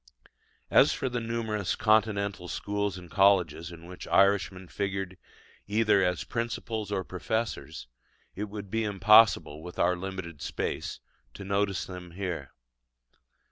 As for the numerous Continental schools and colleges in which Irishmen figured either as principals or professors, it would be impossible, with our limited space, to notice them here.